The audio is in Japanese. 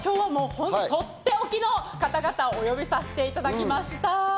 とっておきの方々をお呼びさせていただきました。